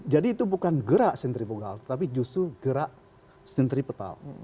jadi itu bukan gerak sentri vogal tapi justru gerak sentripetal